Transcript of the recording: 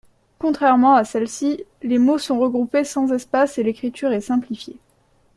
Contrairement à celle-ci, les mots sont regroupés sans espaces et l'écriture est simplifiée.